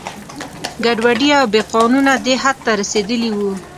ګډوډي او بې قانونه دې حد ته رسېدلي وو.